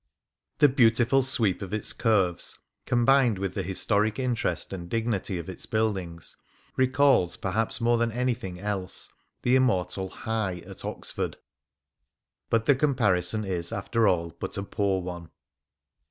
The beautiful sweep of its curves, combined with the historic interest and dignity of its buildings, recalls, perhaps more than anything else, the immortal " High " at Oxford. But the comparison is, after all, but a poor one.